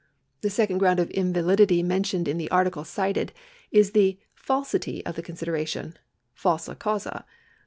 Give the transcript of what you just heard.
The second ground of invalidity mentioned in the Article cited is the falsiti/ of the consideration (falsa causa).